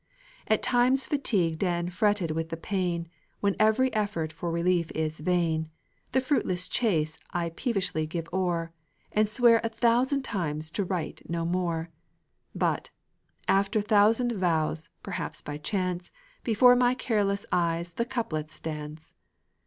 At times, fatigued and fretted with the pain, When every effort for relief is vain, The fruitless chase I peevishly give o'er, And swear a thousand times to write no more: But, after thousand vows, perhaps by chance, Before my careless eyes the couplets dance.